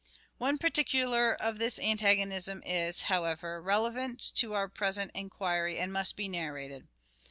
One particular of this antagonism is, however, •• were I a relevant to our present enquiry and must be narrated.